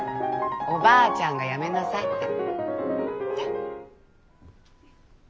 おばあちゃんがやめなさいって。